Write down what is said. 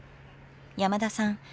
山田さん